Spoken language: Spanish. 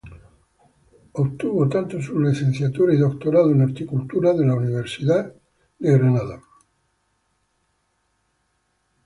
Obtuvo tanto su licenciatura y doctorado en horticultura de la Universidad de California, Berkeley.